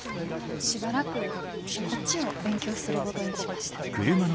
しばらくこっちを勉強するごどにしました。